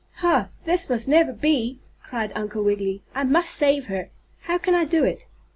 "Ha! This must never be!" cried Uncle Wiggily. "I must save her. How can I do it?"